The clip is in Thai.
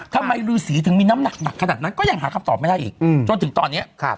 รือสีถึงมีน้ำหนักขนาดนั้นก็ยังหาคำตอบไม่ได้อีกจนถึงตอนนี้